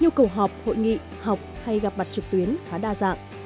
yêu cầu họp hội nghị học hay gặp mặt trực tuyến khá đa dạng